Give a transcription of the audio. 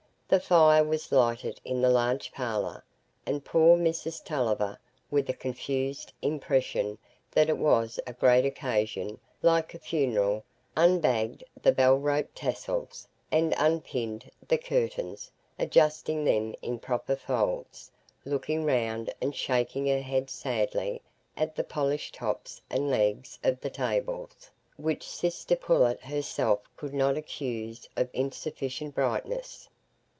The fire was lighted in the large parlour, and poor Mrs Tulliver, with a confused impression that it was a great occasion, like a funeral, unbagged the bell rope tassels, and unpinned the curtains, adjusting them in proper folds, looking round and shaking her head sadly at the polished tops and legs of the tables, which sister Pullet herself could not accuse of insufficient brightness.